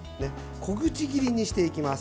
小口切りにしていきます。